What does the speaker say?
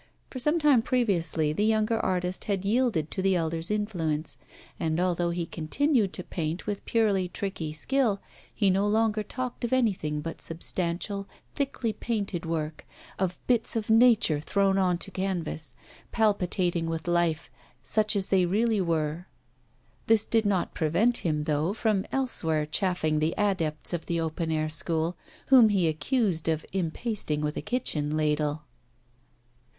For some time previously the younger artist had yielded to the elder's influence; and although he continued to paint with purely tricky skill, he no longer talked of anything but substantial, thickly painted work, of bits of nature thrown on to canvas, palpitating with life, such as they really were. This did not prevent him, though, from elsewhere chaffing the adepts of the open air school, whom he accused of impasting with a kitchen ladle.